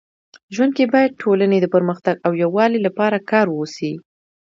ژوند کي باید ټولني د پرمختګ او يووالي لپاره کار وسي.